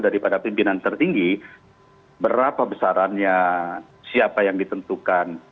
daripada pimpinan tertinggi berapa besarannya siapa yang ditentukan